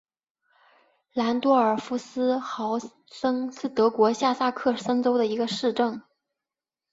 兰多尔夫斯豪森是德国下萨克森州的一个市镇。